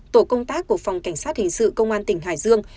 tổ công tác của phòng cảnh sát hình sự công an tỉnh hải dương